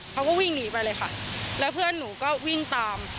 เขาก็วิ่งหนีไปเลยค่ะแล้วเพื่อนหนูก็วิ่งตาม